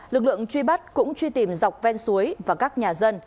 lực lượng truy bắt cũng truy tìm dọc ven suối và các nhà dân